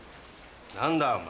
何だよお前。